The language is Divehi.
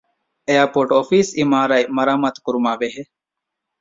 އެއަރޕޯޓް އޮފީސް އިމާރާތް މަރާމާތުކުރުމާ ބެހޭ